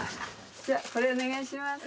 これお願いします。